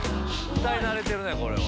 歌い慣れてるね、これは。